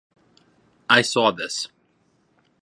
I saw this.